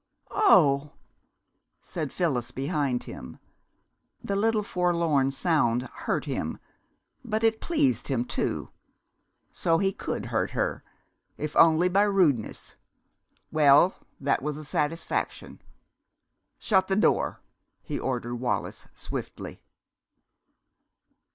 "Oh h!" said Phyllis, behind him. The little forlorn sound hurt him, but it pleased him, too. So he could hurt her, if only by rudeness? Well, that was a satisfaction. "Shut the door," he ordered Wallis swiftly.